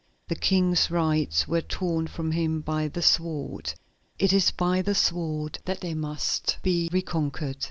The King's rights were torn from him by the sword; it is by the sword that they must be reconquered.